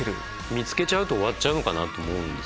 見つけちゃうと終わっちゃうのかなと思う。